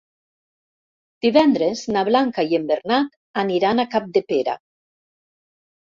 Divendres na Blanca i en Bernat aniran a Capdepera.